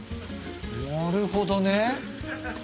なるほどね。